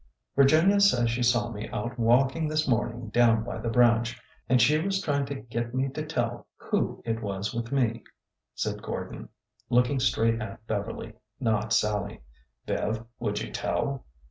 Virginia says she saw me out walking this morning down by the branch, and she was trying to get me to tell who it was with me," said Gordon, looking straight at Beverly, not Sallie. Bev, would you tell?"